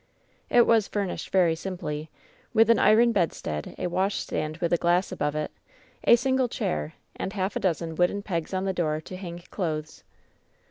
It was furnished very simply, with an iron bedstead, a washstand with a glass above it, a single chair, and half a dozen wooden pegs on the door to hang clothes.